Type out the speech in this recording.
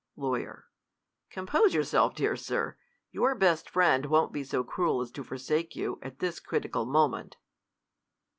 Law. Compose yourself, dear Sir. Your best friend won't be so cruel as to forsake you, at this critical mo men t.